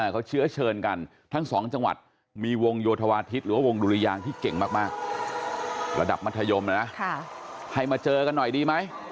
เขาเชื้อเชิญกันทั้งสองจังหวัดมีวงโยธวาทิศหรือว่าวงดุริยางที่เก่งมากระดับมัธยมนะให้มาเจอกันหน่อยดีไหม